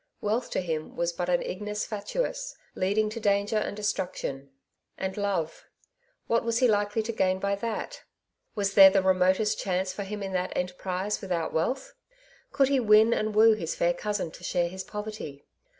Wealth to him was but an ignis fatuusy leading to danger and destruction. And love, what was he likely to gain by that ? Was there the remotest chance for him in that enterprise, without wealth ? Could he win and woo his fair cousin to share his poverty